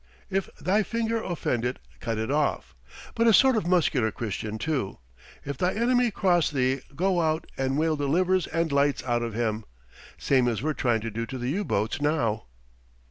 If thy finger offend thee, cut it off. But a sort of muscular Christian, too. If thy enemy cross thee, go out and whale the livers and lights out of him same as we're trying to do to the U boats now.